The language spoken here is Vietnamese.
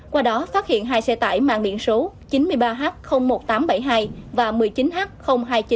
qua đó phát hiện hai xe tải mạng biển số chín mươi ba h một nghìn tám trăm bảy mươi hai và một mươi chín h hai nghìn chín trăm bốn mươi sáu